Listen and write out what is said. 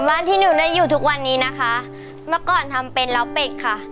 ที่หนูได้อยู่ทุกวันนี้นะคะเมื่อก่อนทำเป็นล้าวเป็ดค่ะ